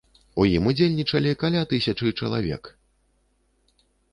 У ім удзельнічалі каля тысячы чалавек.